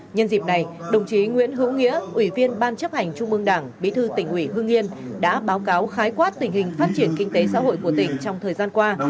nhân dịp này đồng chí nguyễn hữu nghĩa ủy viên ban chấp hành trung mương đảng bí thư tỉnh ủy hương yên đã báo cáo khái quát tình hình phát triển kinh tế xã hội của tỉnh trong thời gian qua